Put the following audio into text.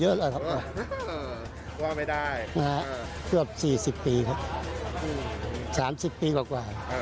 ไอเลขอะไรอ่ะ